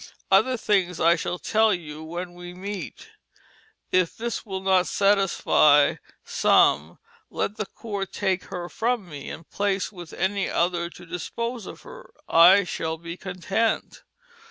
Other things I shall tell you when we meet. If this will not satisfy some, let the Court take her from mee and place with any other to dispose of her. I shall be content.